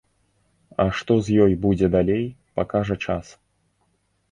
А што з ёй будзе далей, пакажа час.